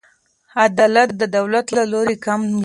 عدالت د دولت له لوري کم و.